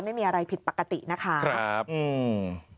ไม่มีอะไรผิดปกตินะคะครับอืม